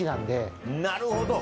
なるほど！